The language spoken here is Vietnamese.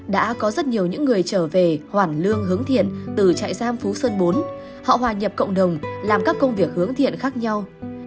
đã có rất nhiều những người trở về hoàn lương hướng thiện từ trại giam phú sơn bốn họ hòa nhập cộng đồng làm các công việc hướng thiện khác nhau